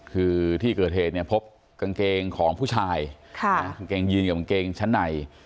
คือที่เกิดเหตุเนี่ยพบกางเกงของผู้ชายกางเกงยีนกับกางเกงชั้นใน